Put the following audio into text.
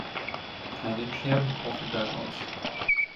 Einen Scherbenhaufen daraus.